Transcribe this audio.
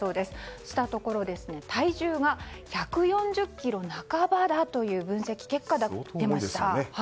そうしたら体重が１４０ｋｇ半ばだという分析結果が出ました。